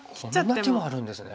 こんな手もあるんですね。